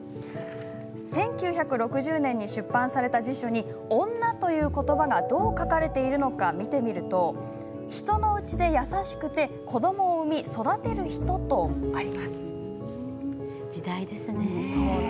１９６０年に出版された辞書に「女」ということばがどう書かれているのか見てみると「人のうちで、やさしくて、子供を生みそだてる人」と書かれています。